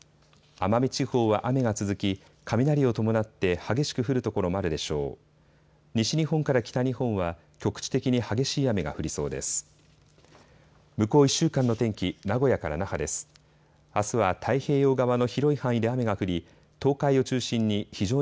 奄美地方は雨が続き雷を伴って激しく降る所もあるでしょう。